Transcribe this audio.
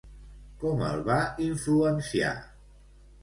Com el va influenciar?